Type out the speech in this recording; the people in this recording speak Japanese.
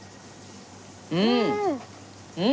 うん！